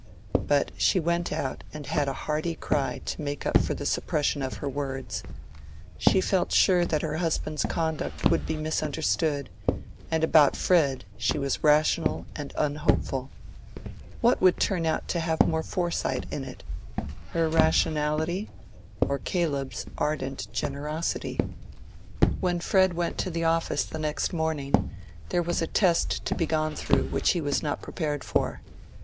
But she went out and had a hearty cry to make up for the suppression of her words. She felt sure that her husband's conduct would be misunderstood, and about Fred she was rational and unhopeful. Which would turn out to have the more foresight in it—her rationality or Caleb's ardent generosity? When Fred went to the office the next morning, there was a test to be gone through which he was not prepared for.